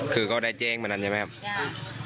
คือเขาได้แจ้งมานั้นใช่ไหมครับ